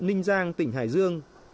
nênh giang tỉnh hải dương